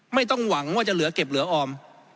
ไม่ต้องหวังว่าจะเหลือเก็บเหลือออม